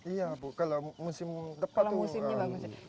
iya bu kalau musim depan tuh